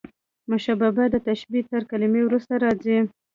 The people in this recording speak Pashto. مشبه به، د تشبېه تر کلمې وروسته راځي.